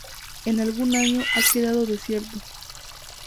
En algún año ha quedado desierto.